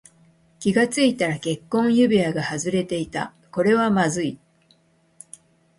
気がついたら結婚指輪が外れていた。これはまずい。